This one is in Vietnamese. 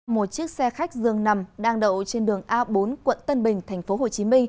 một chiếc xe khách dường nằm đang đậu trên đường a bốn quận tân bình tp hcm